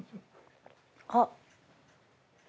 あっ。